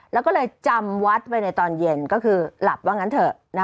แล้วก็เลยจำวัดไปในตอนเย็นก็คือหลับว่างั้นเถอะ